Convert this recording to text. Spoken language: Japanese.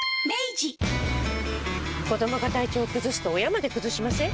子どもが体調崩すと親まで崩しません？